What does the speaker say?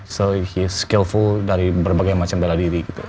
so is skillful dari berbagai macam bela diri gitu